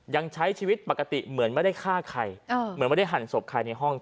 ยังใช้ชีวิตปกติเหมือนไม่ได้ฆ่าใครเหมือนไม่ได้หั่นศพใครในห้อง